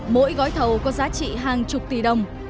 mỗi gói thầu có giá trị hàng chục tỷ đồng